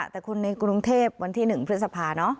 แต่คนในกรุงเทพวันที่๑พฤษภาเนอะ